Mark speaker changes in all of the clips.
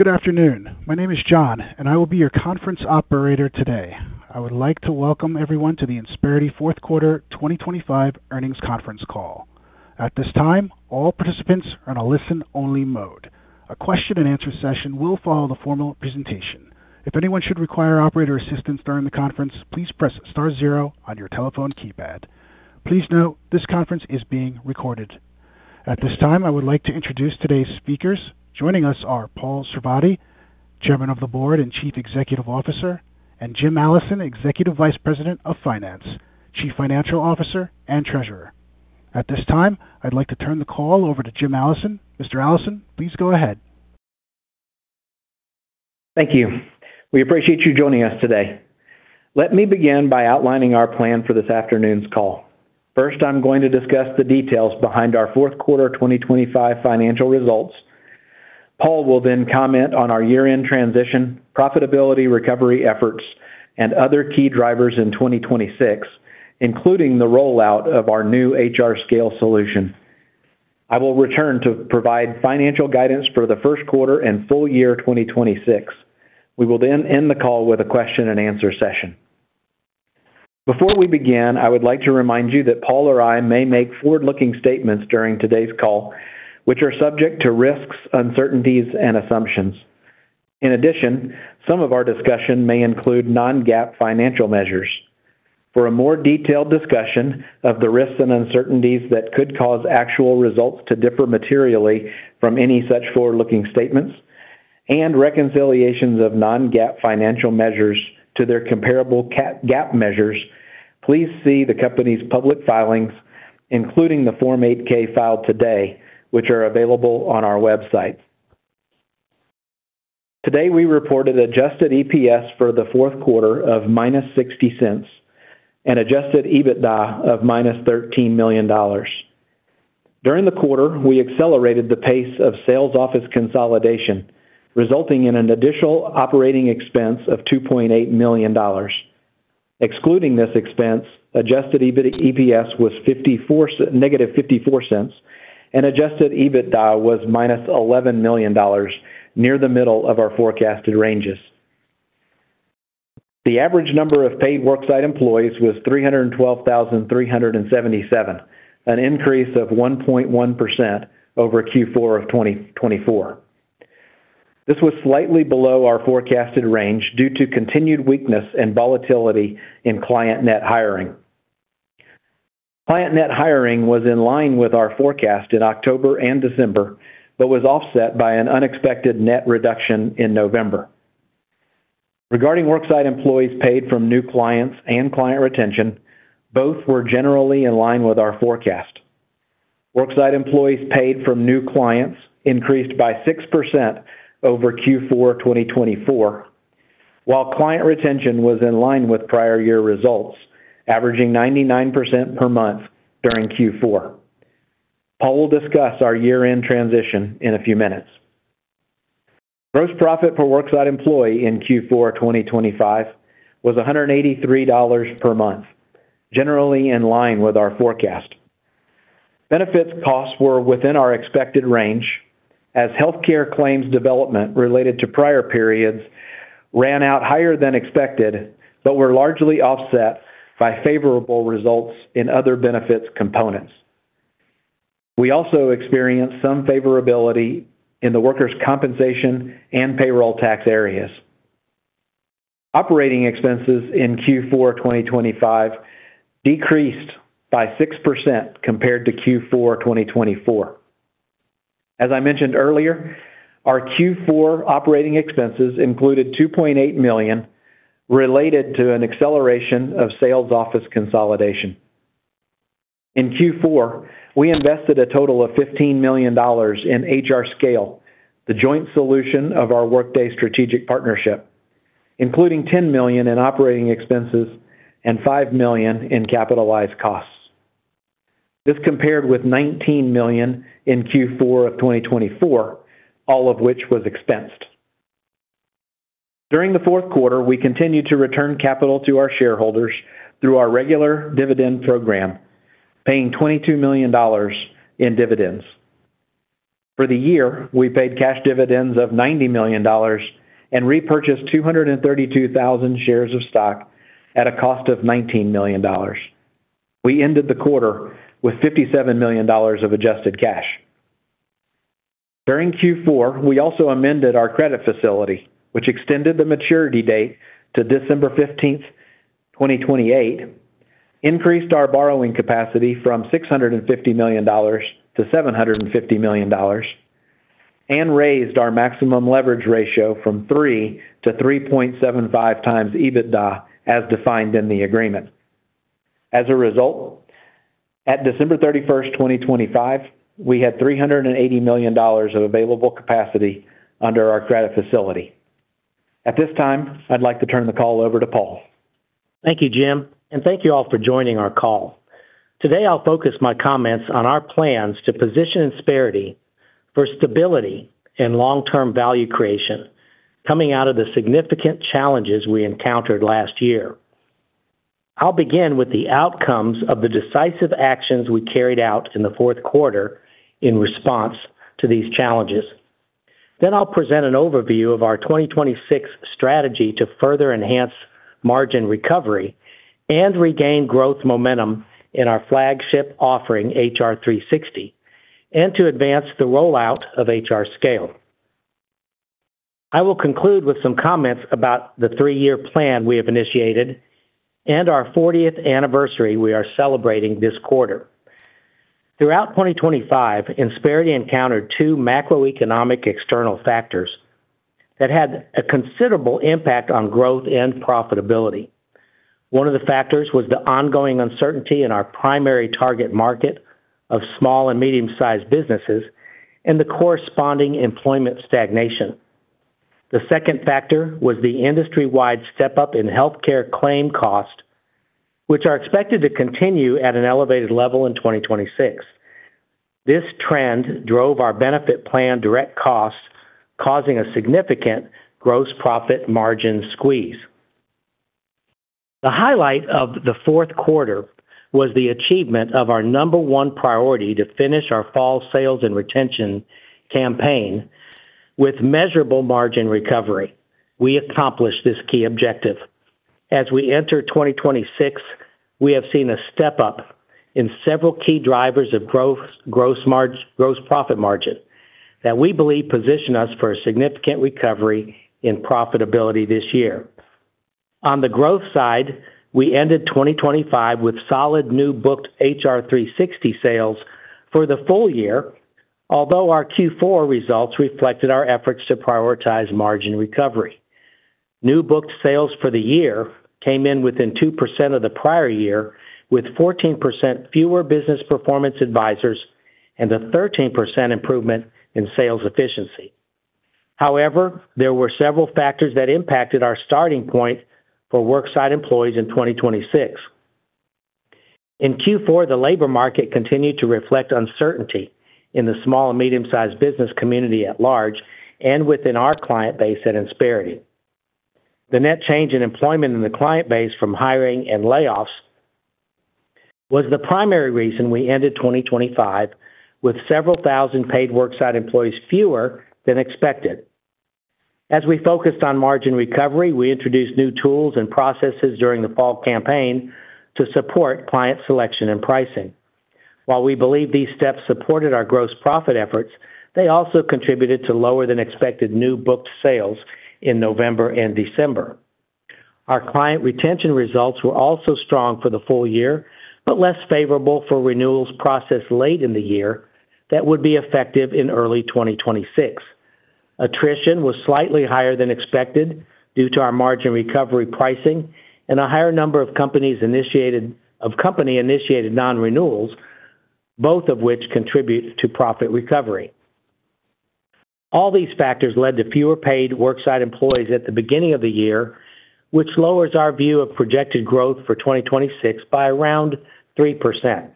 Speaker 1: Good afternoon. My name is John, and I will be your conference operator today. I would like to welcome everyone to the Insperity fourth quarter 2025 earnings conference call. At this time, all participants are in a listen-only mode. A question-and-answer session will follow the formal presentation. If anyone should require operator assistance during the conference, please press star zero on your telephone keypad. Please note, this conference is being recorded. At this time, I would like to introduce today's speakers. Joining us are Paul Sarvadi, Chairman of the Board and Chief Executive Officer, and Jim Allison, Executive Vice President of Finance, Chief Financial Officer and Treasurer. At this time, I'd like to turn the call over to Jim Allison. Mr. Allison, please go ahead.
Speaker 2: Thank you. We appreciate you joining us today. Let me begin by outlining our plan for this afternoon's call. First, I'm going to discuss the details behind our fourth quarter 2025 financial results. Paul will then comment on our year-end transition, profitability recovery efforts, and other key drivers in 2026, including the rollout of our new HRScale solution. I will return to provide financial guidance for the first quarter and full year 2026. We will then end the call with a question-and-answer session. Before we begin, I would like to remind you that Paul or I may make forward-looking statements during today's call, which are subject to risks, uncertainties, and assumptions. In addition, some of our discussion may include non-GAAP financial measures. For a more detailed discussion of the risks and uncertainties that could cause actual results to differ materially from any such forward-looking statements, and reconciliations of non-GAAP financial measures to their comparable GAAP measures, please see the company's public filings, including the Form 8-K filed today, which are available on our website. Today we reported adjusted EPS for the fourth quarter of -$0.60 and adjusted EBITDA of -$13 million. During the quarter, we accelerated the pace of sales office consolidation, resulting in an additional operating expense of $2.8 million. Excluding this expense, adjusted EPS was -$0.54, and adjusted EBITDA was -$11 million, near the middle of our forecasted ranges. The average number of paid worksite employees was 312,377, an increase of 1.1% over Q4 of 2024. This was slightly below our forecasted range due to continued weakness and volatility in client net hiring. Client net hiring was in line with our forecast in October and December but was offset by an unexpected net reduction in November. Regarding worksite employees paid from new clients and client retention, both were generally in line with our forecast. Worksite employees paid from new clients increased by 6% over Q4 2024, while client retention was in line with prior year results, averaging 99% per month during Q4. Paul will discuss our year-end transition in a few minutes. Gross profit per worksite employee in Q4 2025 was $183 per month, generally in line with our forecast. Benefits costs were within our expected range, as healthcare claims development related to prior periods ran out higher than expected but were largely offset by favorable results in other benefits components. We also experienced some favorability in the workers' compensation and payroll tax areas. Operating expenses in Q4 2025 decreased by 6% compared to Q4 2024. As I mentioned earlier, our Q4 operating expenses included $2.8 million related to an acceleration of sales office consolidation. In Q4, we invested a total of $15 million in HRScale, the joint solution of our Workday Strategic Partnership, including $10 million in operating expenses and $5 million in capitalized costs. This compared with $19 million in Q4 of 2024, all of which was expensed. During the fourth quarter, we continued to return capital to our shareholders through our regular dividend program, paying $22 million in dividends. For the year, we paid cash dividends of $90 million and repurchased 232,000 shares of stock at a cost of $19 million. We ended the quarter with $57 million of adjusted cash. During Q4, we also amended our credit facility, which extended the maturity date to December 15th, 2028, increased our borrowing capacity from $650 million to $750 million, and raised our maximum leverage ratio from 3x to 3.75x EBITDA as defined in the agreement. As a result, at December 31st, 2025, we had $380 million of available capacity under our credit facility. At this time, I'd like to turn the call over to Paul.
Speaker 3: Thank you, Jim, and thank you all for joining our call. Today I'll focus my comments on our plans to position Insperity for stability and long-term value creation coming out of the significant challenges we encountered last year. I'll begin with the outcomes of the decisive actions we carried out in the fourth quarter in response to these challenges. Then I'll present an overview of our 2026 strategy to further enhance margin recovery and regain growth momentum in our flagship offering, HR360, and to advance the rollout of HRScale. I will conclude with some comments about the three-year plan we have initiated and our 40th anniversary we are celebrating this quarter. Throughout 2025, Insperity encountered two macroeconomic external factors that had a considerable impact on growth and profitability. One of the factors was the ongoing uncertainty in our primary target market of small and medium-sized businesses and the corresponding employment stagnation. The second factor was the industry-wide step-up in healthcare claim costs, which are expected to continue at an elevated level in 2026. This trend drove our benefit plan direct costs, causing a significant gross profit margin squeeze. The highlight of the fourth quarter was the achievement of our number one priority to finish our fall sales and retention campaign with measurable margin recovery. We accomplished this key objective. As we enter 2026, we have seen a step-up in several key drivers of gross profit margin that we believe position us for a significant recovery in profitability this year. On the growth side, we ended 2025 with solid new booked HR360 sales for the full year, although our Q4 results reflected our efforts to prioritize margin recovery. New booked sales for the year came in within 2% of the prior year, with 14% fewer Business Performance Advisors and a 13% improvement in sales efficiency. However, there were several factors that impacted our starting point for worksite employees in 2026. In Q4, the labor market continued to reflect uncertainty in the small and medium-sized business community at large and within our client base at Insperity. The net change in employment in the client base from hiring and layoffs was the primary reason we ended 2025 with several thousand paid worksite employees fewer than expected. As we focused on margin recovery, we introduced new tools and processes during the fall campaign to support client selection and pricing. While we believe these steps supported our gross profit efforts, they also contributed to lower-than-expected new booked sales in November and December. Our client retention results were also strong for the full year but less favorable for renewals processed late in the year that would be effective in early 2026. Attrition was slightly higher than expected due to our margin recovery pricing and a higher number of company-initiated non-renewals, both of which contribute to profit recovery. All these factors led to fewer paid worksite employees at the beginning of the year, which lowers our view of projected growth for 2026 by around 3%.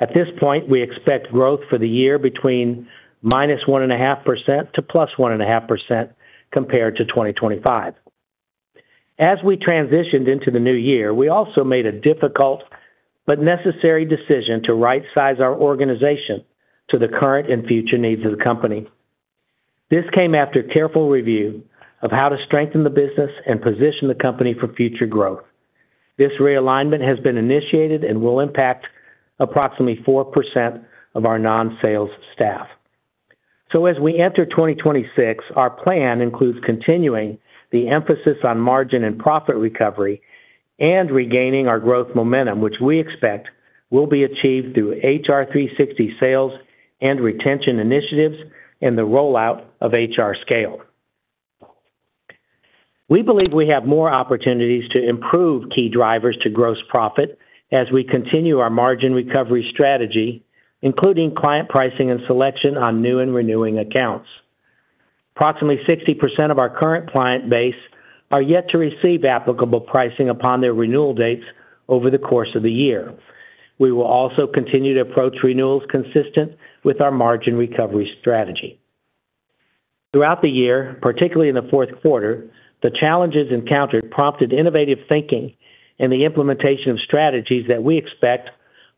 Speaker 3: At this point, we expect growth for the year between -1.5% to +1.5% compared to 2025. As we transitioned into the new year, we also made a difficult but necessary decision to right-size our organization to the current and future needs of the company. This came after careful review of how to strengthen the business and position the company for future growth. This realignment has been initiated and will impact approximately 4% of our non-sales staff. So as we enter 2026, our plan includes continuing the emphasis on margin and profit recovery and regaining our growth momentum, which we expect will be achieved through HR360 sales and retention initiatives and the rollout of HRScale. We believe we have more opportunities to improve key drivers to gross profit as we continue our margin recovery strategy, including client pricing and selection on new and renewing accounts. Approximately 60% of our current client base are yet to receive applicable pricing upon their renewal dates over the course of the year. We will also continue to approach renewals consistent with our margin recovery strategy. Throughout the year, particularly in the fourth quarter, the challenges encountered prompted innovative thinking and the implementation of strategies that we expect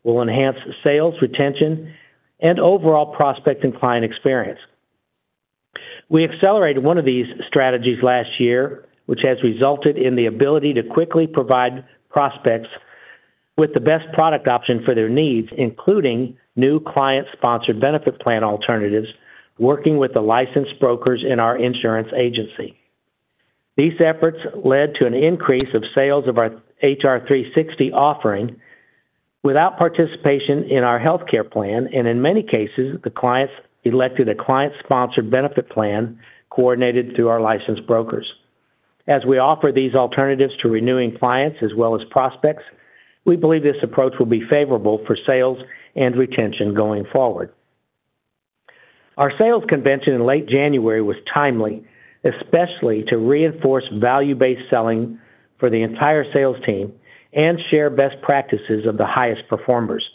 Speaker 3: will enhance sales retention and overall prospect and client experience. We accelerated one of these strategies last year, which has resulted in the ability to quickly provide prospects with the best product option for their needs, including new client-sponsored benefit plan alternatives working with the licensed brokers in our insurance agency. These efforts led to an increase of sales of our HR360 offering without participation in our healthcare plan, and in many cases, the clients elected a client-sponsored benefit plan coordinated through our licensed brokers. As we offer these alternatives to renewing clients as well as prospects, we believe this approach will be favorable for sales and retention going forward. Our sales convention in late January was timely, especially to reinforce value-based selling for the entire sales team and share best practices of the highest performers.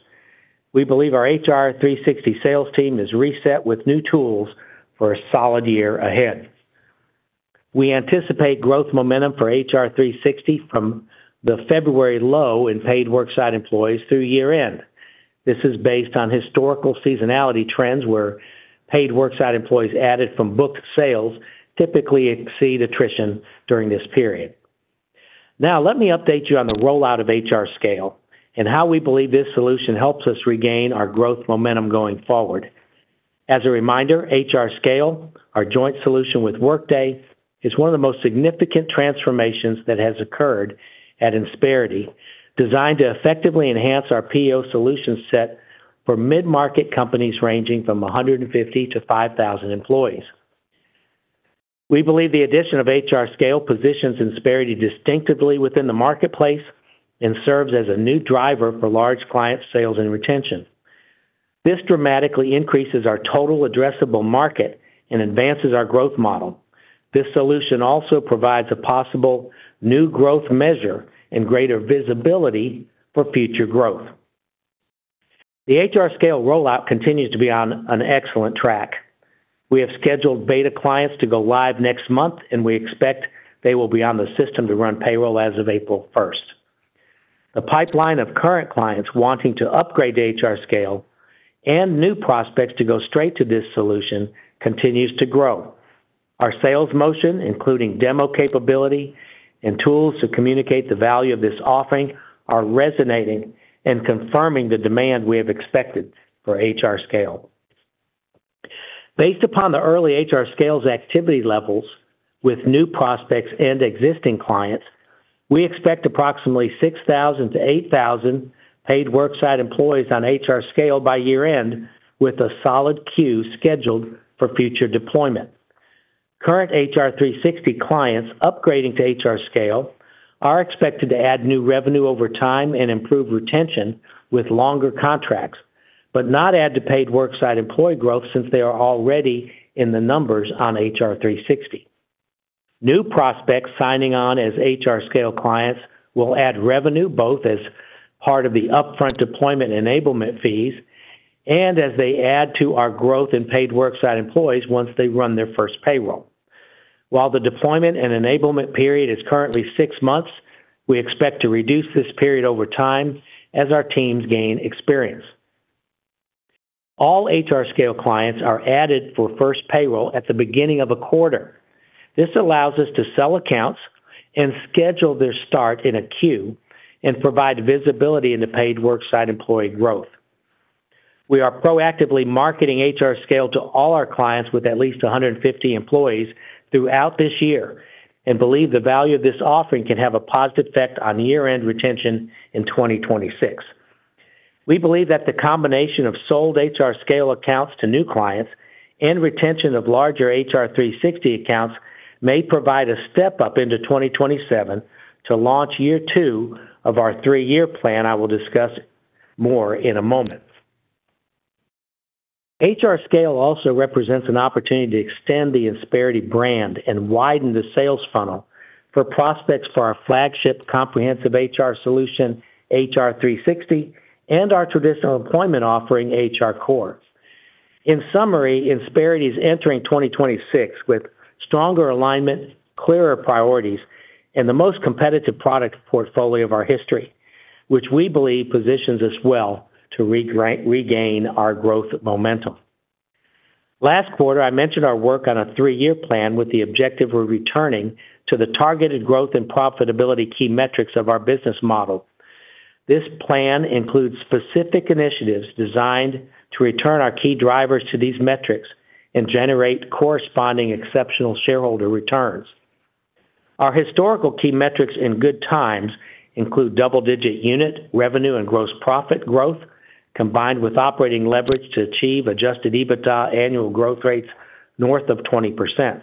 Speaker 3: We believe our HR360 sales team is reset with new tools for a solid year ahead. We anticipate growth momentum for HR360 from the February low in paid worksite employees through year-end. This is based on historical seasonality trends where paid worksite employees added from booked sales typically exceed attrition during this period. Now, let me update you on the rollout of HRScale and how we believe this solution helps us regain our growth momentum going forward. As a reminder, HRScale, our joint solution with Workday, is one of the most significant transformations that has occurred at Insperity, designed to effectively enhance our PEO solution set for mid-market companies ranging from 150-5,000 employees. We believe the addition of HRScale positions Insperity distinctively within the marketplace and serves as a new driver for large client sales and retention. This dramatically increases our total addressable market and advances our growth model. This solution also provides a possible new growth measure and greater visibility for future growth. The HRScale rollout continues to be on an excellent track. We have scheduled beta clients to go live next month, and we expect they will be on the system to run payroll as of April 1st. The pipeline of current clients wanting to upgrade to HRScale and new prospects to go straight to this solution continues to grow. Our sales motion, including demo capability and tools to communicate the value of this offering, are resonating and confirming the demand we have expected for HRScale. Based upon the early HRScale's activity levels with new prospects and existing clients, we expect approximately 6,000-8,000 paid worksite employees on HRScale by year-end with a solid queue scheduled for future deployment. Current HR360 clients upgrading to HRScale are expected to add new revenue over time and improve retention with longer contracts, but not add to paid worksite employee growth since they are already in the numbers on HR360. New prospects signing on as HRScale clients will add revenue both as part of the upfront deployment enablement fees and as they add to our growth in paid worksite employees once they run their first payroll. While the deployment and enablement period is currently six months, we expect to reduce this period over time as our teams gain experience. All HRScale clients are added for first payroll at the beginning of a quarter. This allows us to sell accounts and schedule their start in a queue and provide visibility into paid worksite employee growth. We are proactively marketing HRScale to all our clients with at least 150 employees throughout this year and believe the value of this offering can have a positive effect on year-end retention in 2026. We believe that the combination of sold HRScale accounts to new clients and retention of larger HR360 accounts may provide a step-up into 2027 to launch year two of our three-year plan, I will discuss more in a moment. HRScale also represents an opportunity to extend the Insperity brand and widen the sales funnel for prospects for our flagship comprehensive HR solution, HR360, and our traditional employment offering, HRCore. In summary, Insperity is entering 2026 with stronger alignment, clearer priorities, and the most competitive product portfolio of our history, which we believe positions us well to regain our growth momentum. Last quarter, I mentioned our work on a three-year plan with the objective of returning to the targeted growth and profitability key metrics of our business model. This plan includes specific initiatives designed to return our key drivers to these metrics and generate corresponding exceptional shareholder returns. Our historical key metrics in good times include double-digit unit revenue and gross profit growth combined with operating leverage to achieve Adjusted EBITDA annual growth rates north of 20%.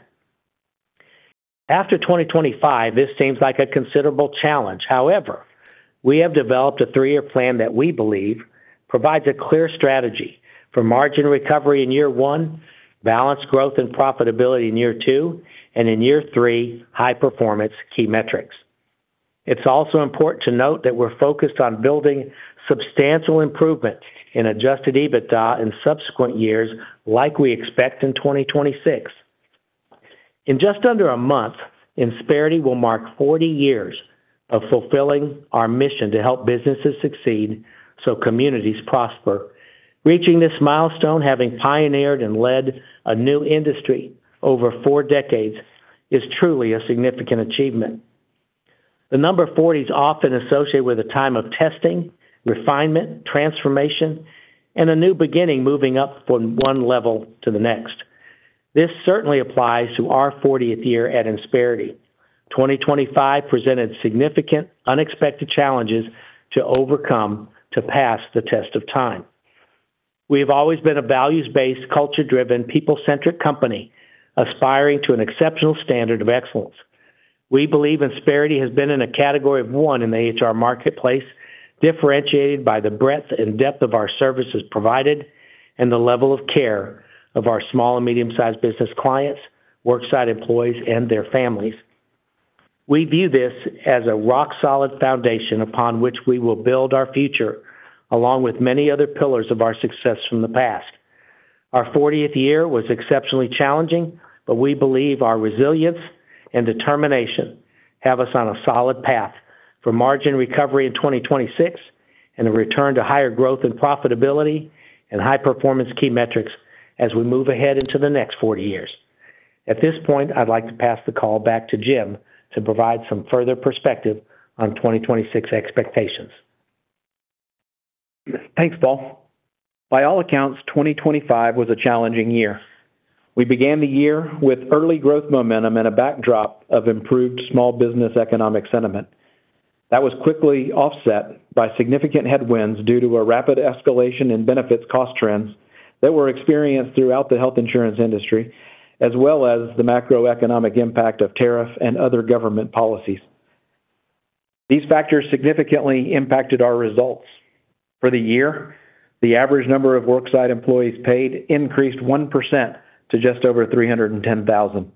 Speaker 3: After 2025, this seems like a considerable challenge. However, we have developed a three-year plan that we believe provides a clear strategy for margin recovery in year one, balanced growth and profitability in year two, and in year three, high performance key metrics. It's also important to note that we're focused on building substantial improvement in Adjusted EBITDA in subsequent years like we expect in 2026. In just under a month, Insperity will mark 40 years of fulfilling our mission to help businesses succeed so communities prosper. Reaching this milestone, having pioneered and led a new industry over four decades, is truly a significant achievement. The number 40 is often associated with a time of testing, refinement, transformation, and a new beginning moving up from one level to the next. This certainly applies to our 40th year at Insperity. 2025 presented significant, unexpected challenges to overcome to pass the test of time. We have always been a values-based, culture-driven, people-centric company aspiring to an exceptional standard of excellence. We believe Insperity has been in a category of one in the HR marketplace, differentiated by the breadth and depth of our services provided and the level of care of our small and medium-sized business clients, worksite employees, and their families. We view this as a rock-solid foundation upon which we will build our future along with many other pillars of our success from the past. Our 40th year was exceptionally challenging, but we believe our resilience and determination have us on a solid path for margin recovery in 2026 and a return to higher growth and profitability and high performance key metrics as we move ahead into the next 40 years. At this point, I'd like to pass the call back to Jim to provide some further perspective on 2026 expectations.
Speaker 2: Thanks, Paul. By all accounts, 2025 was a challenging year. We began the year with early growth momentum and a backdrop of improved small business economic sentiment. That was quickly offset by significant headwinds due to a rapid escalation in benefits cost trends that were experienced throughout the health insurance industry as well as the macroeconomic impact of tariff and other government policies. These factors significantly impacted our results. For the year, the average number of worksite employees paid increased 1% to just over 310,000.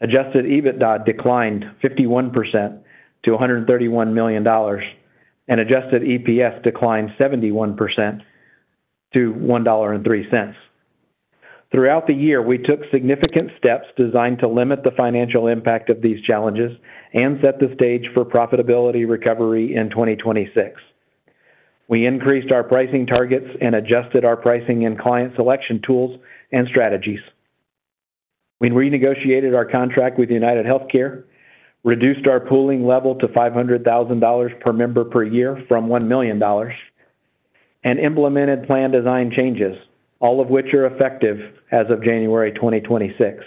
Speaker 2: Adjusted EBITDA declined 51% to $131 million, and Adjusted EPS declined 71% to $1.03. Throughout the year, we took significant steps designed to limit the financial impact of these challenges and set the stage for profitability recovery in 2026. We increased our pricing targets and adjusted our pricing and client selection tools and strategies. We renegotiated our contract with UnitedHealthcare, reduced our pooling level to $500,000 per member per year from $1 million, and implemented plan design changes, all of which are effective as of January 2026.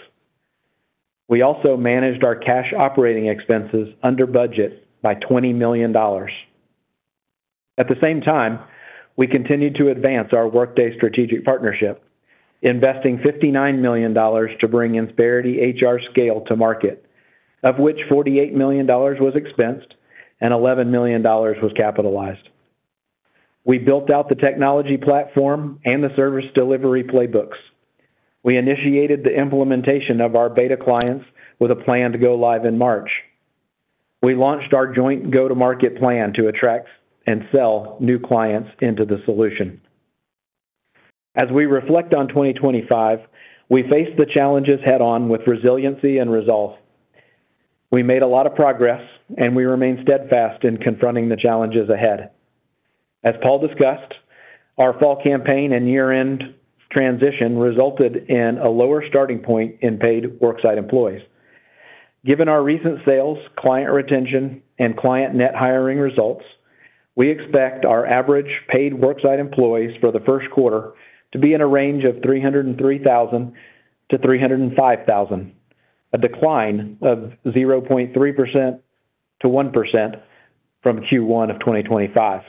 Speaker 2: We also managed our cash operating expenses under budget by $20 million. At the same time, we continued to advance our Workday Strategic Partnership, investing $59 million to bring Insperity HRScale to market, of which $48 million was expensed and $11 million was capitalized. We built out the technology platform and the service delivery playbooks. We initiated the implementation of our beta clients with a plan to go live in March. We launched our joint go-to-market plan to attract and sell new clients into the solution. As we reflect on 2025, we faced the challenges head-on with resiliency and resolve. We made a lot of progress, and we remain steadfast in confronting the challenges ahead. As Paul discussed, our fall campaign and year-end transition resulted in a lower starting point in paid worksite employees. Given our recent sales, client retention, and client net hiring results, we expect our average paid worksite employees for the first quarter to be in a range of 303,000-305,000, a decline of 0.3%-1% from Q1 of 2025.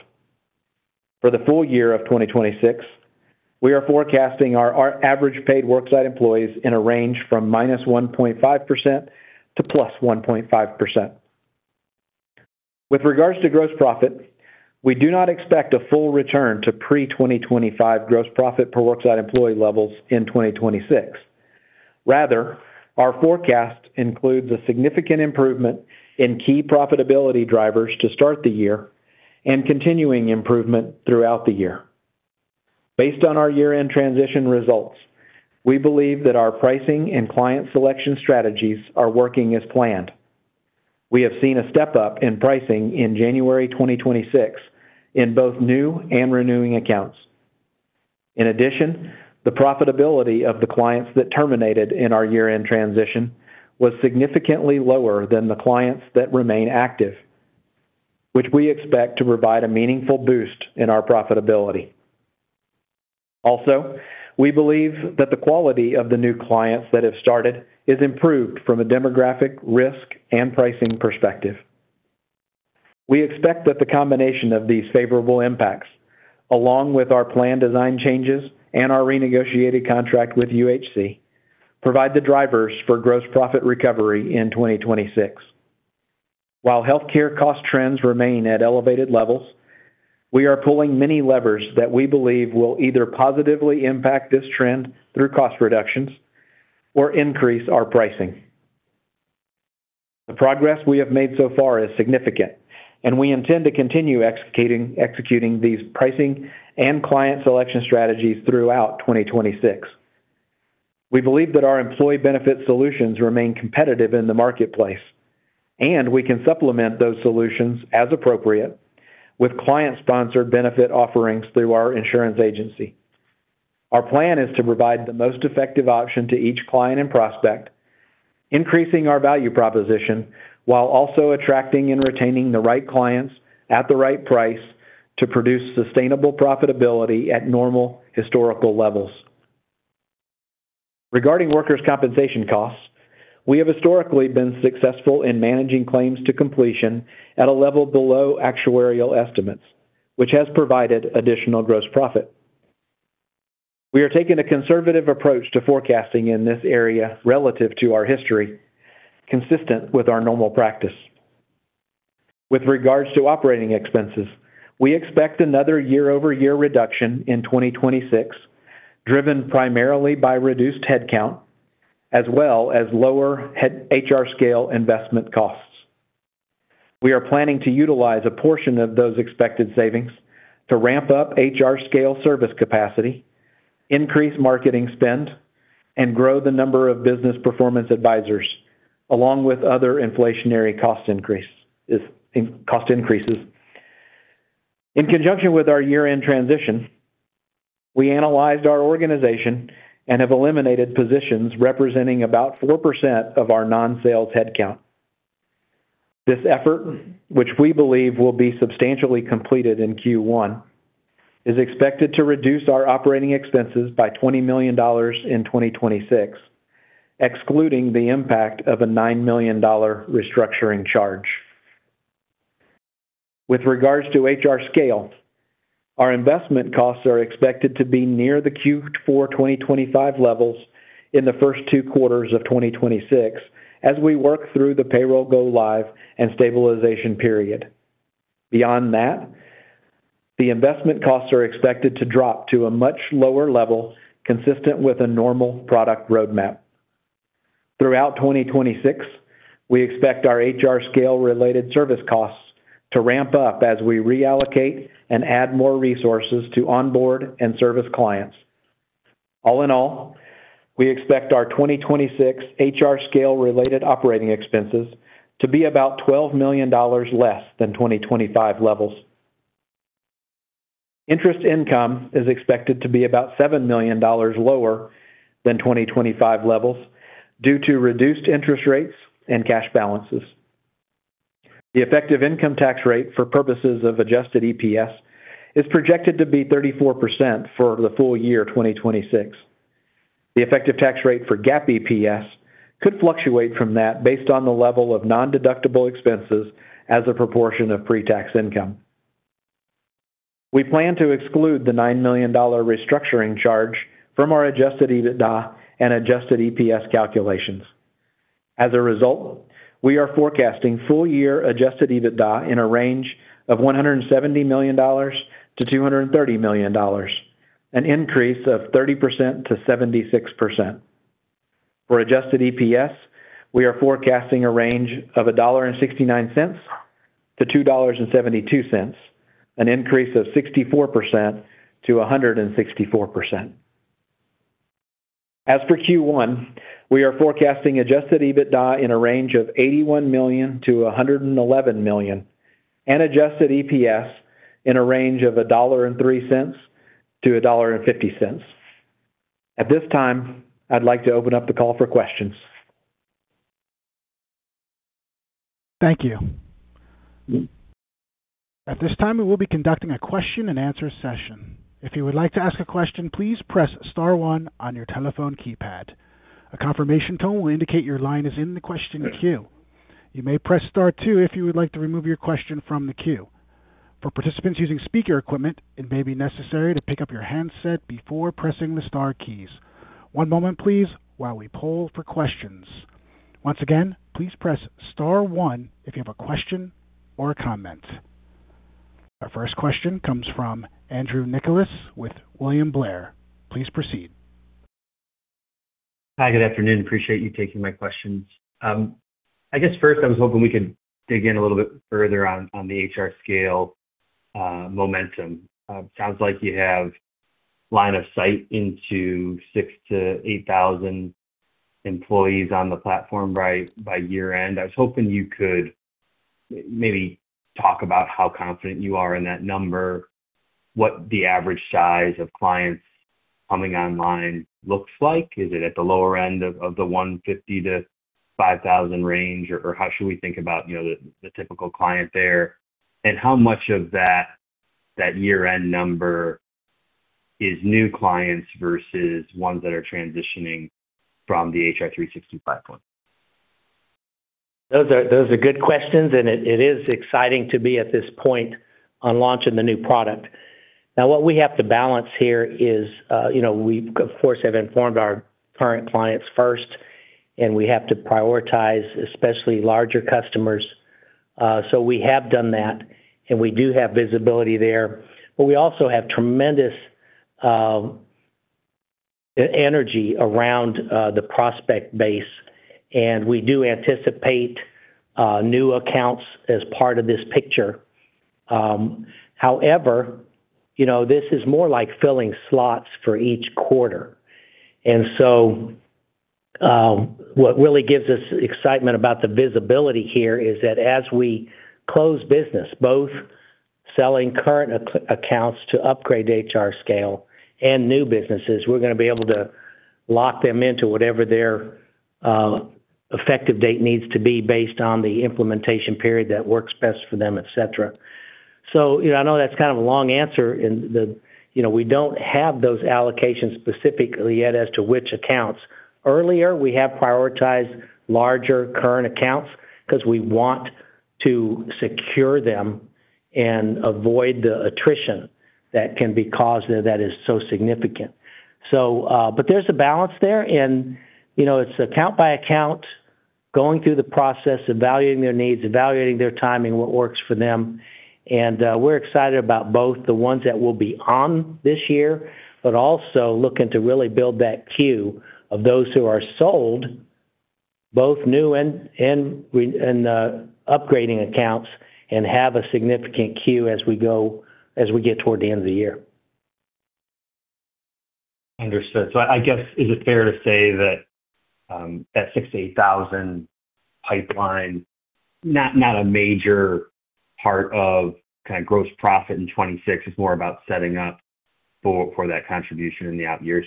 Speaker 2: For the full year of 2026, we are forecasting our average paid worksite employees in a range from -1.5% to +1.5%. With regards to gross profit, we do not expect a full return to pre-2025 gross profit per worksite employee levels in 2026. Rather, our forecast includes a significant improvement in key profitability drivers to start the year and continuing improvement throughout the year. Based on our year-end transition results, we believe that our pricing and client selection strategies are working as planned. We have seen a step-up in pricing in January 2026 in both new and renewing accounts. In addition, the profitability of the clients that terminated in our year-end transition was significantly lower than the clients that remain active, which we expect to provide a meaningful boost in our profitability. Also, we believe that the quality of the new clients that have started is improved from a demographic, risk, and pricing perspective. We expect that the combination of these favorable impacts, along with our plan design changes and our renegotiated contract with UHC, provide the drivers for gross profit recovery in 2026. While healthcare cost trends remain at elevated levels, we are pulling many levers that we believe will either positively impact this trend through cost reductions or increase our pricing. The progress we have made so far is significant, and we intend to continue executing these pricing and client selection strategies throughout 2026. We believe that our employee benefit solutions remain competitive in the marketplace, and we can supplement those solutions as appropriate with client-sponsored benefit offerings through our insurance agency. Our plan is to provide the most effective option to each client and prospect, increasing our value proposition while also attracting and retaining the right clients at the right price to produce sustainable profitability at normal historical levels. Regarding workers' compensation costs, we have historically been successful in managing claims to completion at a level below actuarial estimates, which has provided additional gross profit. We are taking a conservative approach to forecasting in this area relative to our history, consistent with our normal practice. With regards to operating expenses, we expect another year-over-year reduction in 2026 driven primarily by reduced headcount as well as lower HRScale investment costs. We are planning to utilize a portion of those expected savings to ramp up HRScale service capacity, increase marketing spend, and grow the number of Business Performance Advisors along with other inflationary cost increases. In conjunction with our year-end transition, we analyzed our organization and have eliminated positions representing about 4% of our non-sales headcount. This effort, which we believe will be substantially completed in Q1, is expected to reduce our operating expenses by $20 million in 2026, excluding the impact of a $9 million restructuring charge. With regards to HRScale, our investment costs are expected to be near the Q4 2025 levels in the first two quarters of 2026 as we work through the payroll go live and stabilization period. Beyond that, the investment costs are expected to drop to a much lower level consistent with a normal product roadmap. Throughout 2026, we expect our HRScale-related service costs to ramp up as we reallocate and add more resources to onboard and service clients. All in all, we expect our 2026 HRScale-related operating expenses to be about $12 million less than 2025 levels. Interest income is expected to be about $7 million lower than 2025 levels due to reduced interest rates and cash balances. The effective income tax rate for purposes of Adjusted EPS is projected to be 34% for the full year 2026. The effective tax rate for GAAP EPS could fluctuate from that based on the level of non-deductible expenses as a proportion of pre-tax income. We plan to exclude the $9 million restructuring charge from our Adjusted EBITDA and Adjusted EPS calculations. As a result, we are forecasting full-year Adjusted EBITDA in a range of $170 million-$230 million, an increase of 30%-76%. For Adjusted EPS, we are forecasting a range of $1.69-$2.72, an increase of 64%-164%. As for Q1, we are forecasting Adjusted EBITDA in a range of $81 million-$111 million and Adjusted EPS in a range of $1.03-$1.50. At this time, I'd like to open up the call for questions.
Speaker 1: Thank you. At this time, we will be conducting a question-and-answer session. If you would like to ask a question, please press star one on your telephone keypad. A confirmation tone will indicate your line is in the question queue. You may press star two if you would like to remove your question from the queue. For participants using speaker equipment, it may be necessary to pick up your handset before pressing the star keys. One moment, please, while we pull for questions. Once again, please press star one if you have a question or a comment. Our first question comes from Andrew Nicholas with William Blair. Please proceed.
Speaker 4: Hi. Good afternoon. Appreciate you taking my questions. I guess first, I was hoping we could dig in a little bit further on the HRScale momentum. Sounds like you have line of sight into 6,000-8,000 employees on the platform by year-end. I was hoping you could maybe talk about how confident you are in that number, what the average size of clients coming online looks like. Is it at the lower end of the 150-5,000 range, or how should we think about the typical client there? How much of that year-end number is new clients versus ones that are transitioning from the HR360 point?
Speaker 3: Those are good questions, and it is exciting to be at this point on launching the new product. Now, what we have to balance here is we, of course, have informed our current clients first, and we have to prioritize especially larger customers. We have done that, and we do have visibility there. We also have tremendous energy around the prospect base, and we do anticipate new accounts as part of this picture. However, this is more like filling slots for each quarter. And so what really gives us excitement about the visibility here is that as we close business, both selling current accounts to upgrade HRScale and new businesses, we're going to be able to lock them into whatever their effective date needs to be based on the implementation period that works best for them, etc. So I know that's kind of a long answer, and we don't have those allocations specifically yet as to which accounts. Earlier, we have prioritized larger current accounts because we want to secure them and avoid the attrition that can be caused there that is so significant. But there's a balance there, and it's account by account, going through the process, evaluating their needs, evaluating their timing, what works for them. We're excited about both the ones that will be on this year but also looking to really build that queue of those who are sold, both new and upgrading accounts, and have a significant queue as we get toward the end of the year.
Speaker 4: Understood. So I guess, is it fair to say that that 6,000-8,000 pipeline, not a major part of kind of gross profit in 2026, is more about setting up for that contribution in the out years?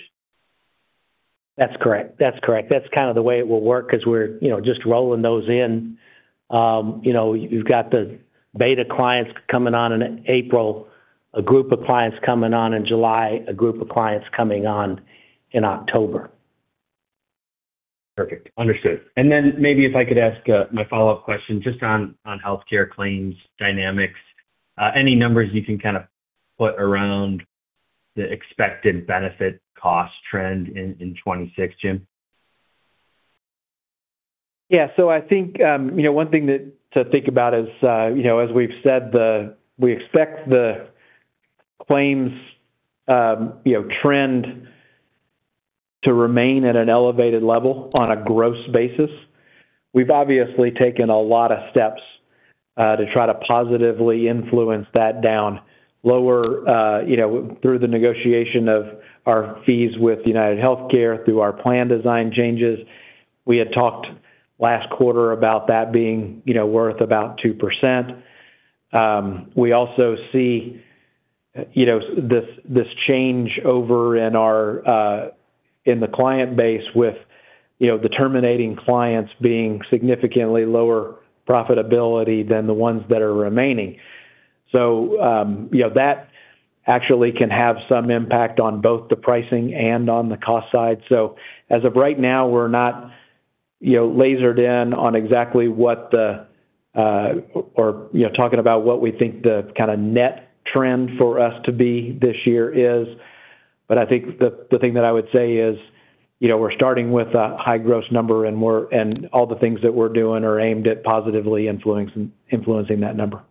Speaker 3: That's correct. That's correct. That's kind of the way it will work because we're just rolling those in. You've got the beta clients coming on in April, a group of clients coming on in July, a group of clients coming on in October.
Speaker 4: Perfect. Understood. And then maybe if I could ask my follow-up question just on healthcare claims dynamics, any numbers you can kind of put around the expected benefit cost trend in 2026, Jim?
Speaker 2: Yeah. So I think one thing to think about is, as we've said, we expect the claims trend to remain at an elevated level on a gross basis. We've obviously taken a lot of steps to try to positively influence that down through the negotiation of our fees with UnitedHealthcare through our plan design changes. We had talked last quarter about that being worth about 2%. We also see this change over in the client base with the terminating clients being significantly lower profitability than the ones that are remaining. So that actually can have some impact on both the pricing and on the cost side. So as of right now, we're not lasered in on exactly what we're talking about what we think the kind of net trend for us to be this year is. But I think the thing that I would say is we're starting with a high gross number, and all the things that we're doing are aimed at positively influencing that number.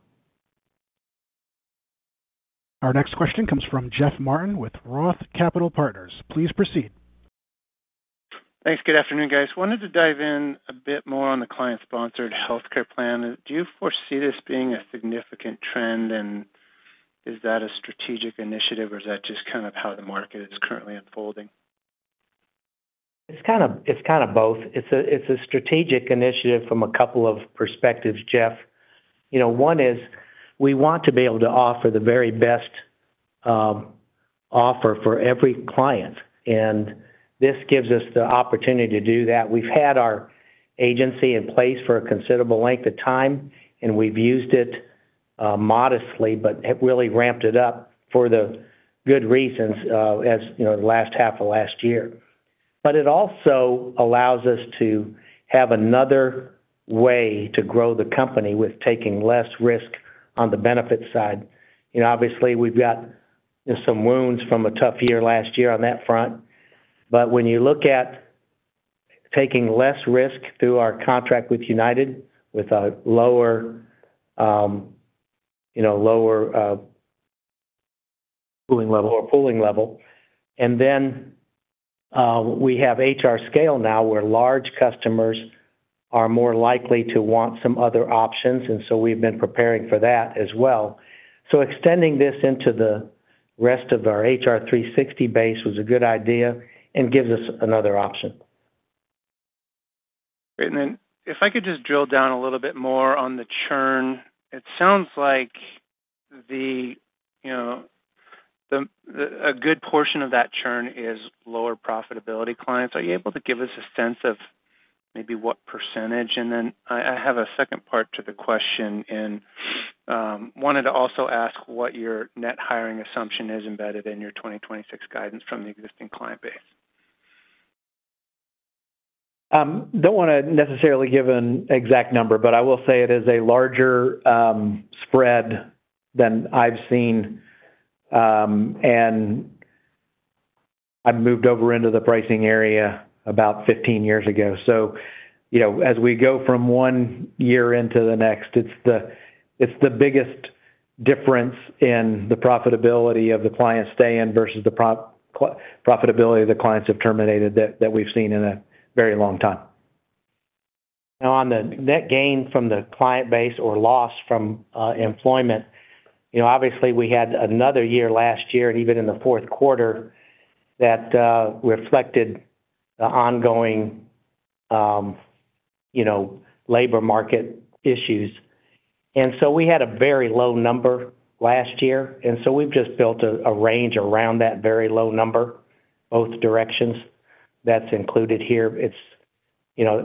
Speaker 1: Our next question comes from Jeff Martin with Roth Capital Partners. Please proceed.
Speaker 5: Thanks. Good afternoon, guys. Wanted to dive in a bit more on the client-sponsored healthcare plan. Do you foresee this being a significant trend, and is that a strategic initiative, or is that just kind of how the market is currently unfolding?
Speaker 3: It's kind of both. It's a strategic initiative from a couple of perspectives, Jeff. One is we want to be able to offer the very best offer for every client, and this gives us the opportunity to do that. We've had our agency in place for a considerable length of time, and we've used it modestly, but it really ramped it up for the good reasons as the last half of last year. But it also allows us to have another way to grow the company with taking less risk on the benefit side. Obviously, we've got some wounds from a tough year last year on that front. But when you look at taking less risk through our contract with United with a lower pooling level or pooling level, and then we have HRScale now where large customers are more likely to want some other options, and so we've been preparing for that as well. So extending this into the rest of our HR360 base was a good idea and gives us another option.
Speaker 5: Great. And then if I could just drill down a little bit more on the churn, it sounds like a good portion of that churn is lower profitability clients. Are you able to give us a sense of maybe what percentage? And then I have a second part to the question and wanted to also ask what your net hiring assumption is embedded in your 2026 guidance from the existing client base.
Speaker 3: Don't want to necessarily give an exact number, but I will say it is a larger spread than I've seen. And I moved over into the pricing area about 15 years ago. So as we go from one year into the next, it's the biggest difference in the profitability of the clients staying versus the profitability of the clients who have terminated that we've seen in a very long time. Now, on the net gain from the client base or loss from employment, obviously, we had another year last year, and even in the fourth quarter, that reflected the ongoing labor market issues. And so we had a very low number last year, and so we've just built a range around that very low number, both directions. That's included here.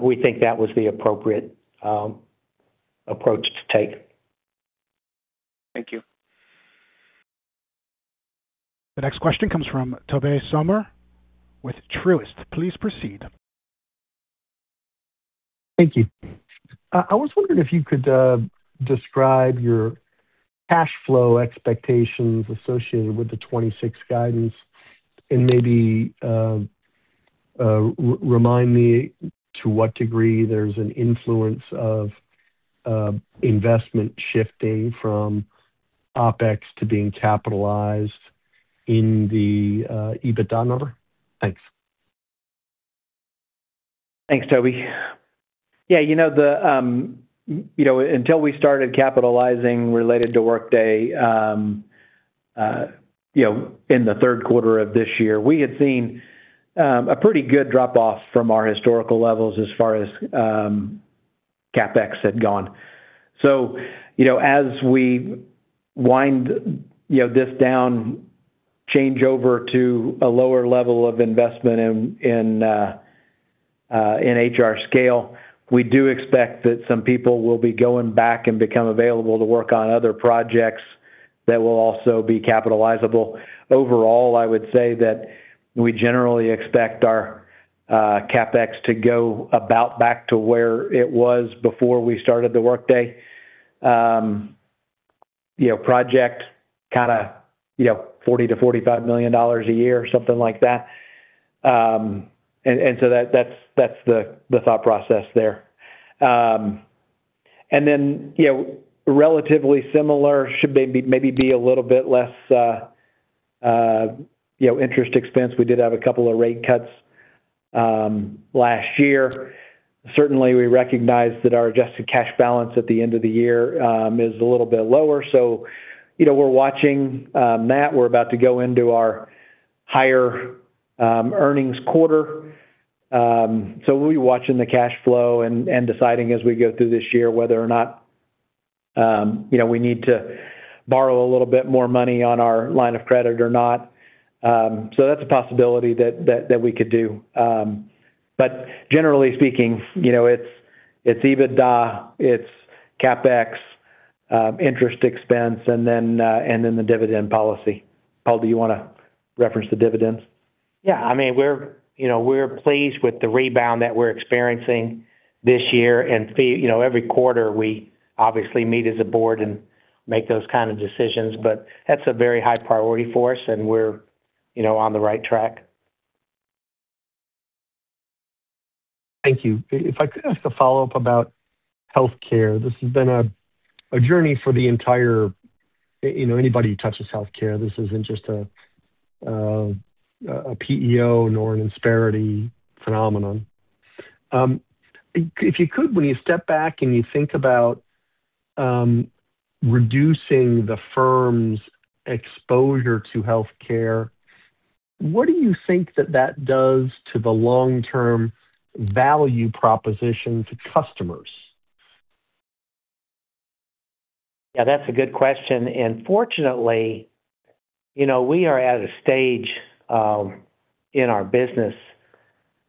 Speaker 3: We think that was the appropriate approach to take.
Speaker 5: Thank you.
Speaker 1: The next question comes from Tobey Sommer with Truist. Please proceed.
Speaker 6: Thank you. I was wondering if you could describe your cash flow expectations associated with the 2026 guidance and maybe remind me to what degree there's an influence of investment shifting from OpEx to being capitalized in the EBITDA number. Thanks.
Speaker 2: Thanks, Tobey. Yeah. Until we started capitalizing related to Workday in the third quarter of this year, we had seen a pretty good drop-off from our historical levels as far as CapEx had gone. So as we wind this down, change over to a lower level of investment in HR Scale, we do expect that some people will be going back and become available to work on other projects that will also be capitalizable. Overall, I would say that we generally expect our CapEx to go about back to where it was before we started the Workday project, kind of $40 million-$45 million a year, something like that. And so that's the thought process there. And then relatively similar, should maybe be a little bit less interest expense. We did have a couple of rate cuts last year. Certainly, we recognize that our adjusted cash balance at the end of the year is a little bit lower. So we're watching that. We're about to go into our higher earnings quarter. So we'll be watching the cash flow and deciding as we go through this year whether or not we need to borrow a little bit more money on our line of credit or not. So that's a possibility that we could do. But generally speaking, it's EBITDA, it's CapEx, interest expense, and then the dividend policy. Paul, do you want to reference the dividends?
Speaker 3: Yeah. I mean, we're pleased with the rebound that we're experiencing this year. And every quarter, we obviously meet as a Board and make those kind of decisions. But that's a very high priority for us, and we're on the right track.
Speaker 6: Thank you. If I could ask a follow-up about healthcare, this has been a journey for the entire anybody who touches healthcare. This isn't just a PEO nor an Insperity phenomenon. If you could, when you step back and you think about reducing the firm's exposure to healthcare, what do you think that that does to the long-term value proposition to customers?
Speaker 2: Yeah. That's a good question. And fortunately, we are at a stage in our business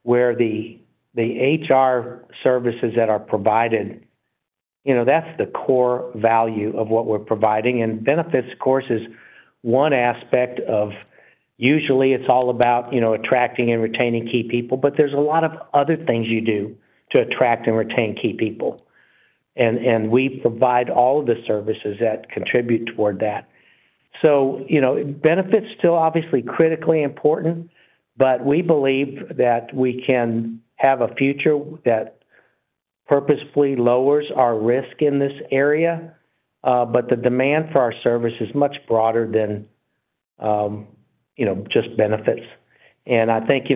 Speaker 2: where the HR services that are provided, that's the core value of what we're providing. Benefits, of course, is one aspect. Usually, it's all about attracting and retaining key people, but there's a lot of other things you do to attract and retain key people. We provide all of the services that contribute toward that. So benefits still obviously critically important, but we believe that we can have a future that purposefully lowers our risk in this area. But the demand for our service is much broader than just benefits. And I think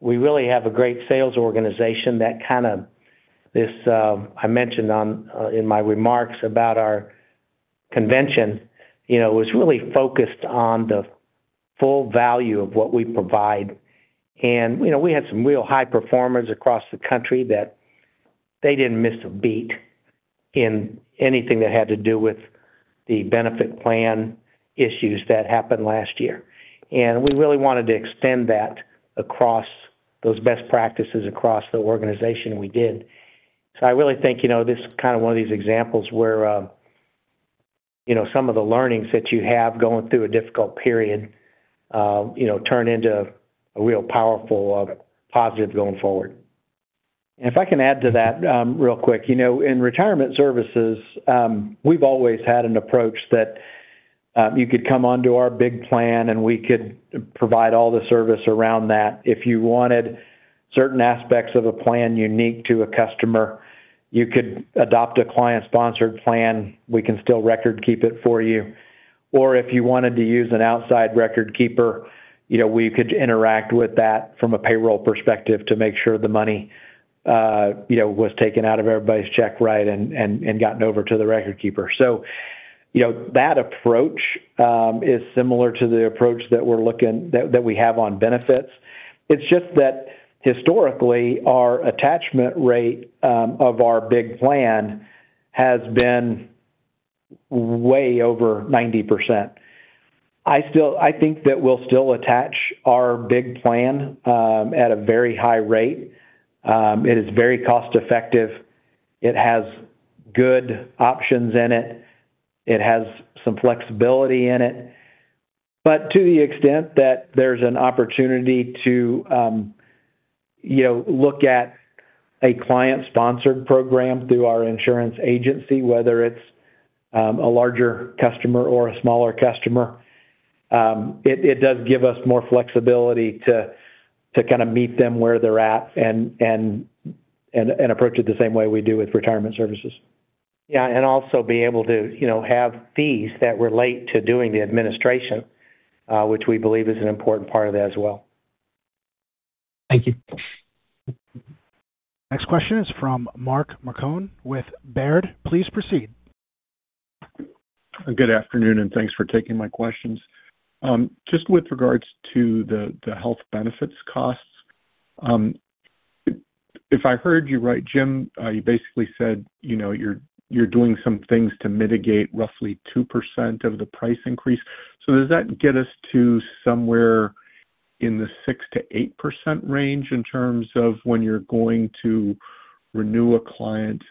Speaker 2: we really have a great sales organization that I mentioned in my remarks about our convention was really focused on the full value of what we provide. And we had some real high performers across the country that they didn't miss a beat in anything that had to do with the benefit plan issues that happened last year. We really wanted to extend that across those best practices across the organization. We did. So I really think this is kind of one of these examples where some of the learnings that you have going through a difficult period turn into a real powerful positive going forward. And if I can add to that real quick, in retirement services, we've always had an approach that you could come onto our big plan, and we could provide all the service around that. If you wanted certain aspects of a plan unique to a customer, you could adopt a client-sponsored plan. We can still record-keep it for you. Or if you wanted to use an outside record-keeper, we could interact with that from a payroll perspective to make sure the money was taken out of everybody's check right and gotten over to the record-keeper. That approach is similar to the approach that we have on benefits. It's just that historically, our attachment rate of our big plan has been way over 90%. I think that we'll still attach our big plan at a very high rate. It is very cost-effective. It has good options in it. It has some flexibility in it. But to the extent that there's an opportunity to look at a client-sponsored program through our insurance agency, whether it's a larger customer or a smaller customer, it does give us more flexibility to kind of meet them where they're at and approach it the same way we do with retirement services.
Speaker 3: Yeah. Also be able to have fees that relate to doing the administration, which we believe is an important part of that as well.
Speaker 6: Thank you.
Speaker 1: Next question is from Mark Marcon with Baird. Please proceed.
Speaker 7: Good afternoon, and thanks for taking my questions. Just with regards to the health benefits costs, if I heard you right, Jim, you basically said you're doing some things to mitigate roughly 2% of the price increase. So does that get us to somewhere in the 6%-8% range in terms of when you're going to renew a client?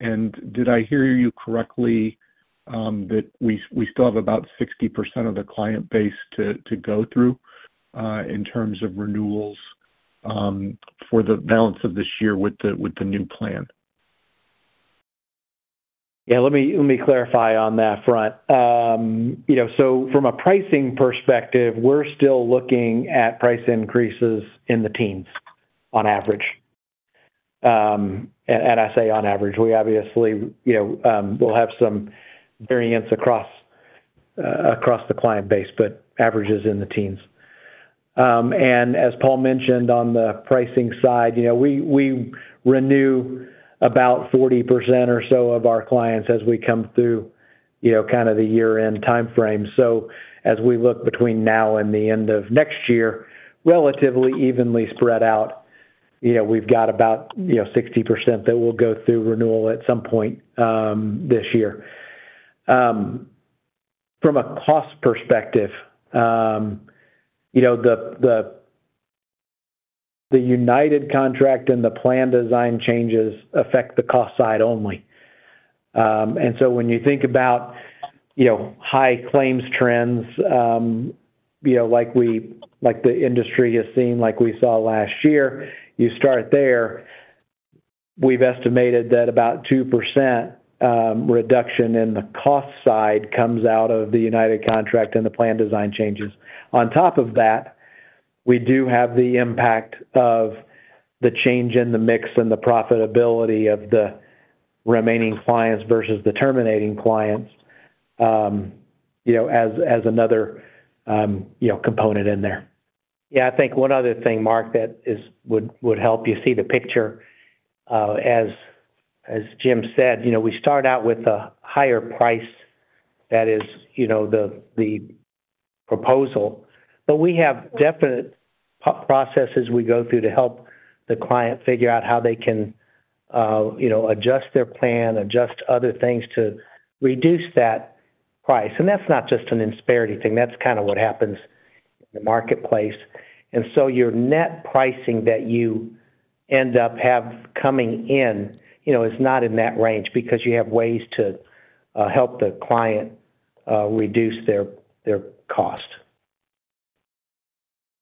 Speaker 7: And did I hear you correctly that we still have about 60% of the client base to go through in terms of renewals for the balance of this year with the new plan?
Speaker 2: Yeah. Let me clarify on that front. So from a pricing perspective, we're still looking at price increases in the teens on average. And I say on average. We obviously will have some variance across the client base, but average is in the teens. And as Paul mentioned on the pricing side, we renew about 40% or so of our clients as we come through kind of the year-end timeframe. So as we look between now and the end of next year, relatively evenly spread out, we've got about 60% that will go through renewal at some point this year. From a cost perspective, the United contract and the plan design changes affect the cost side only. And so when you think about high claims trends like the industry has seen, like we saw last year, you start there. We've estimated that about 2% reduction in the cost side comes out of the United contract and the plan design changes. On top of that, we do have the impact of the change in the mix and the profitability of the remaining clients versus the terminating clients as another component in there.
Speaker 3: Yeah. I think one other thing, Mark, that would help you see the picture. As Jim said, we start out with a higher price that is the proposal. But we have definite processes we go through to help the client figure out how they can adjust their plan, adjust other things to reduce that price. And that's not just an Insperity thing. That's kind of what happens in the marketplace. And so your net pricing that you end up having coming in is not in that range because you have ways to help the client reduce their cost.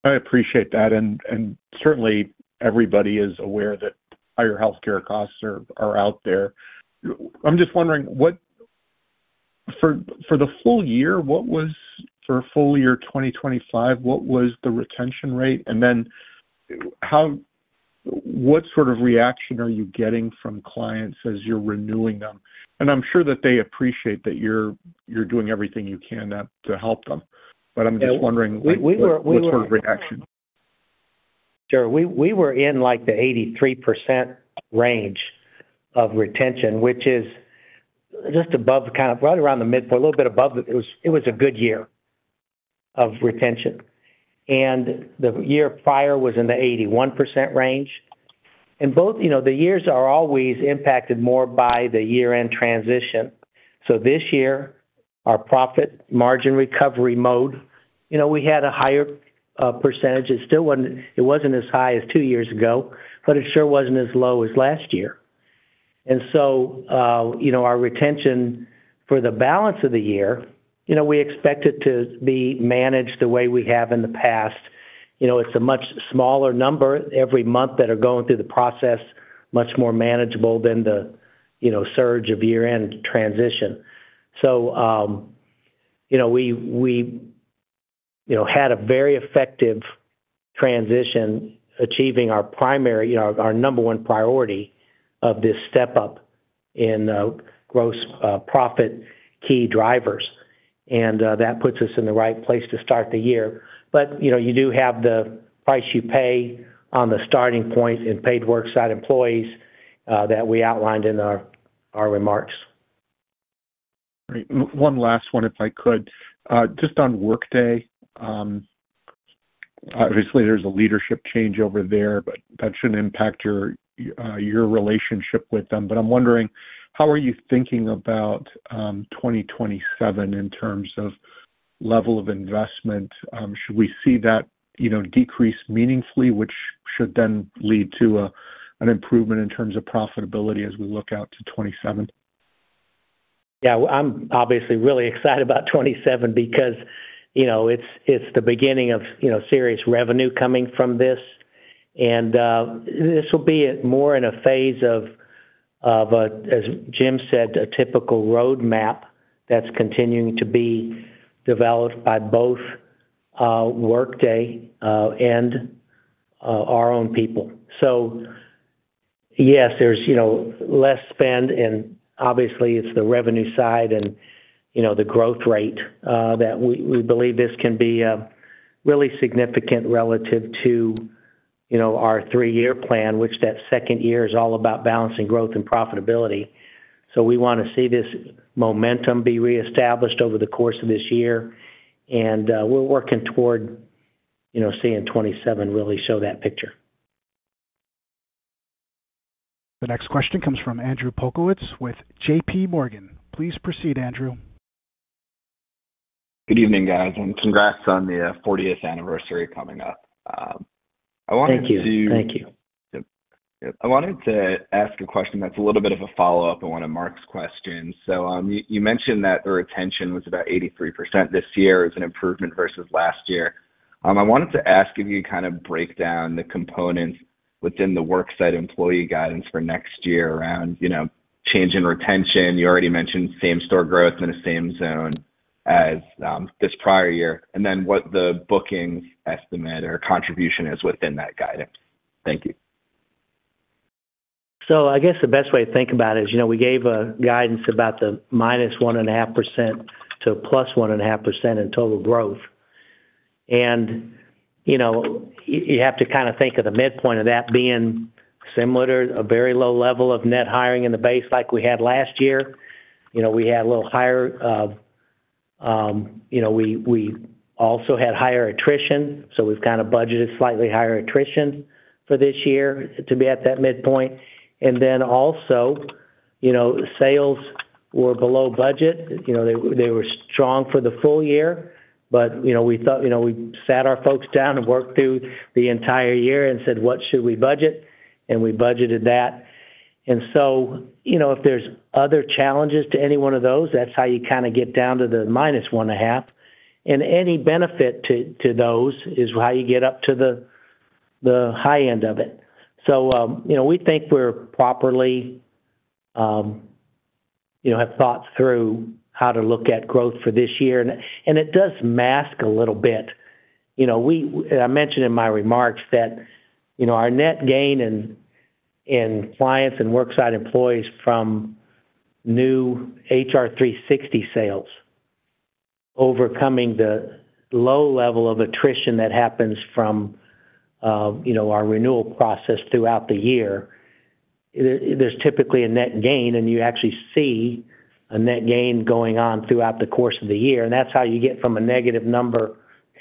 Speaker 7: I appreciate that. And certainly, everybody is aware that higher healthcare costs are out there. I'm just wondering, for the full year, for full year 2025, what was the retention rate? And then what sort of reaction are you getting from clients as you're renewing them? I'm sure that they appreciate that you're doing everything you can to help them. But I'm just wondering, what sort of reaction?
Speaker 3: Sure. We were in the 83% range of retention, which is just above kind of right around the midpoint, a little bit above. It was a good year of retention. The year prior was in the 81% range. Both the years are always impacted more by the year-end transition. So this year, our profit margin recovery mode, we had a higher percentage. It wasn't as high as two years ago, but it sure wasn't as low as last year. Our retention for the balance of the year, we expect it to be managed the way we have in the past. It's a much smaller number every month that are going through the process, much more manageable than the surge of year-end transition. So we had a very effective transition achieving our number one priority of this step-up in gross profit key drivers. And that puts us in the right place to start the year. But you do have the price you pay on the starting point in paid worksite employees that we outlined in our remarks.
Speaker 7: Great. One last one, if I could. Just on Workday, obviously, there's a leadership change over there, but that shouldn't impact your relationship with them. But I'm wondering, how are you thinking about 2027 in terms of level of investment? Should we see that decrease meaningfully, which should then lead to an improvement in terms of profitability as we look out to 2027?
Speaker 3: Yeah. I'm obviously really excited about 2027 because it's the beginning of serious revenue coming from this. This will be more in a phase of, as Jim said, a typical roadmap that's continuing to be developed by both Workday and our own people. Yes, there's less spend. Obviously, it's the revenue side and the growth rate that we believe this can be really significant relative to our three-year plan, which that second year is all about balancing growth and profitability. We want to see this momentum be reestablished over the course of this year. We're working toward seeing 2027 really show that picture.
Speaker 1: The next question comes from Andrew Polkowitz with JPMorgan. Please proceed, Andrew.
Speaker 8: Good evening, guys, and congrats on the 40th anniversary coming up. I wanted to thank you.
Speaker 3: Thank you.
Speaker 8: Yep. Yep. I wanted to ask a question that's a little bit of a follow-up on one of Mark's questions. So you mentioned that the retention was about 83% this year as an improvement versus last year. I wanted to ask if you could kind of break down the components within the worksite employee guidance for next year around change in retention. You already mentioned same-store growth in the same zone as this prior year. And then what the bookings estimate or contribution is within that guidance. Thank you.
Speaker 2: So I guess the best way to think about it is we gave guidance about the -1.5% to +1.5% in total growth. And you have to kind of think of the midpoint of that being similar to a very low level of net hiring in the base like we had last year. We had a little higher we also had higher attrition. So we've kind of budgeted slightly higher attrition for this year to be at that midpoint. And then also, sales were below budget. They were strong for the full year. But we thought we sat our folks down and worked through the entire year and said, "What should we budget?" And we budgeted that. And so if there's other challenges to any one of those, that's how you kind of get down to the -1.5%. And any benefit to those is how you get up to the high end of it. So we think we're properly have thought through how to look at growth for this year. And it does mask a little bit. I mentioned in my remarks that our net gain in clients and worksite employees from new HR360 sales, overcoming the low level of attrition that happens from our renewal process throughout the year, there's typically a net gain. You actually see a net gain going on throughout the course of the year. That's how you get from a negative number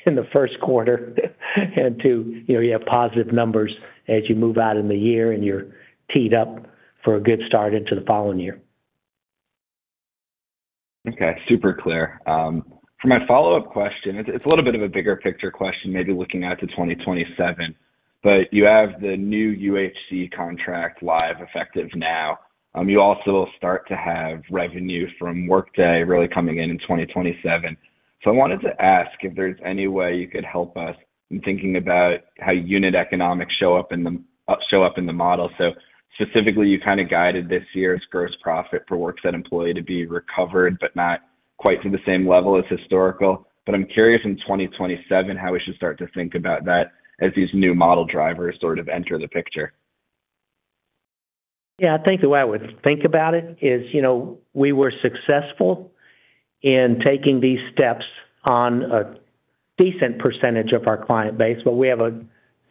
Speaker 2: in the first quarter and to you have positive numbers as you move out in the year and you're teed up for a good start into the following year.
Speaker 8: Okay. Super clear. For my follow-up question, it's a little bit of a bigger picture question, maybe looking out to 2027. But you have the new UHC contract live effective now. You also will start to have revenue from Workday really coming in in 2027. So I wanted to ask if there's any way you could help us in thinking about how unit economics show up in the model. So specifically, you kind of guided this year's gross profit for worksite employee to be recovered but not quite to the same level as historical. But I'm curious in 2027 how we should start to think about that as these new model drivers sort of enter the picture.
Speaker 3: Yeah. I think the way I would think about it is we were successful in taking these steps on a decent percentage of our client base. But we have a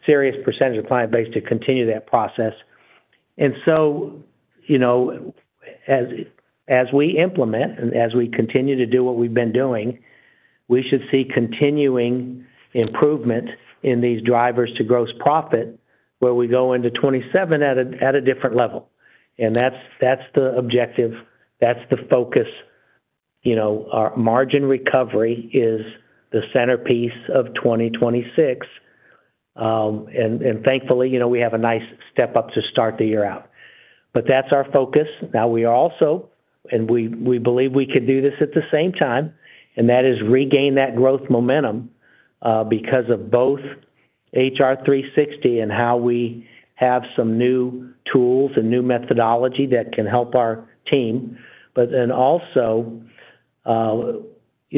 Speaker 3: serious percentage of client base to continue that process. And so as we implement and as we continue to do what we've been doing, we should see continuing improvement in these drivers to gross profit where we go into 2027 at a different level. And that's the objective. That's the focus. Our margin recovery is the centerpiece of 2026. And thankfully, we have a nice step up to start the year out. But that's our focus. Now, we are also and we believe we could do this at the same time. And that is regain that growth momentum because of both HR360 and how we have some new tools and new methodology that can help our team. But then also,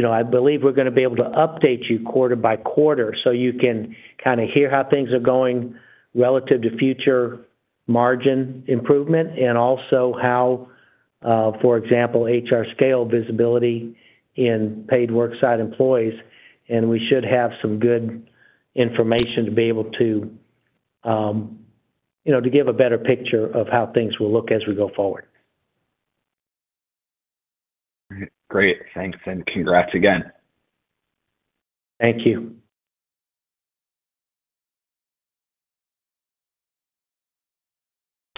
Speaker 3: I believe we're going to be able to update you quarter by quarter so you can kind of hear how things are going relative to future margin improvement and also how, for example, HRScale visibility in paid worksite employees. And we should have some good information to be able to give a better picture of how things will look as we go forward.
Speaker 8: Great. Thanks. And congrats again.
Speaker 3: Thank you.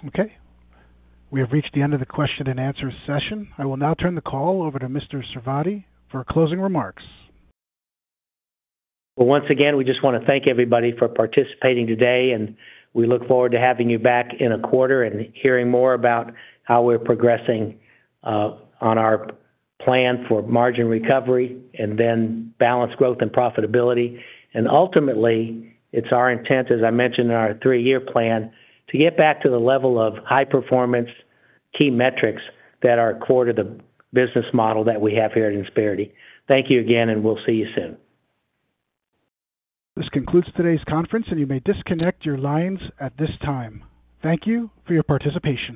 Speaker 1: Okay. We have reached the end of the question-and-answers session. I will now turn the call over to Mr. Sarvadi for closing remarks.
Speaker 3: Well, once again, we just want to thank everybody for participating today. We look forward to having you back in a quarter and hearing more about how we're progressing on our plan for margin recovery and then balanced growth and profitability. Ultimately, it's our intent, as I mentioned in our three-year plan, to get back to the level of high-performance key metrics that are a core to the business model that we have here at Insperity. Thank you again, and we'll see you soon.
Speaker 1: This concludes today's conference, and you may disconnect your lines at this time. Thank you for your participation.